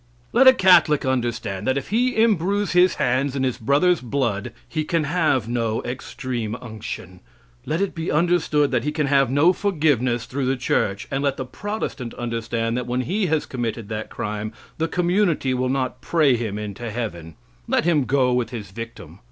Let a Catholic understand that if he imbrues his hands in his brother's blood, he can have no extreme unction; let it be understood that he can have no forgiveness through the church; and let the Protestant understand that when he has committed that crime, the community will not pray him into heaven. Let him go with his victim.